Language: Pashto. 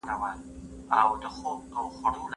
زه مخکي موټر کارولی و!.